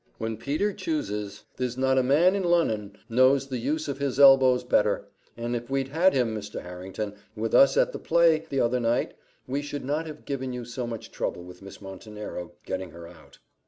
"When Peter chooses, there's not a man in Lon'on knows the use of his elbows better, and if we'd had him, Mr. Harrington, with us at the play, the other night, we should not have given you so much trouble with Miss Montenero, getting her out."